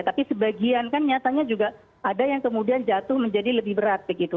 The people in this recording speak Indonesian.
tapi sebagian kan nyatanya juga ada yang kemudian jatuh menjadi lebih berat begitu